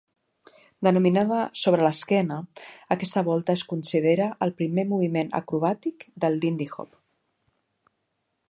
Denominada "sobre l'esquena", aquesta volta es considera el primer moviment acrobàtic del lindy-hop.